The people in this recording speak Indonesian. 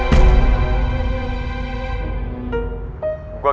gue gak akan pernah ngelupain angga itu